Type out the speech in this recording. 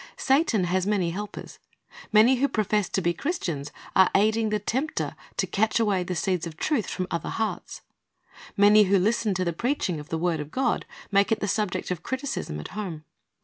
Satan has many helpers. Many who profess to be Christians are aiding the tempter to catch away the seeds of truth from other hearts. Many who listen to the preach ing of the word of God make it the subject of criticism at home.